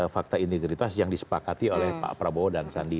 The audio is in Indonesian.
fakta integritas yang disepakati oleh pak prabowo dan sandi